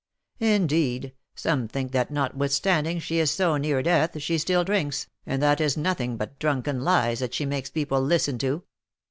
Indeed some think that notwithstanding she is so near death she still drinks, and that it is nothing but drunken lies that she makes people listen to."